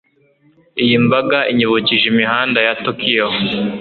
Iyi mbaga inyibukije imihanda ya Tokiyo.